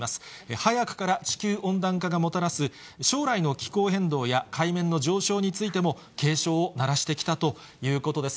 早くから地球温暖化がもたらす将来の気候変動や、海面の上昇についても、警鐘を鳴らしてきたということです。